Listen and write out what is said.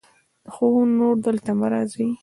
خو نور دلته مه راځئ.